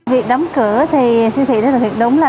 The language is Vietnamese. việc đóng cửa thì siêu thị rất là thiệt đúng là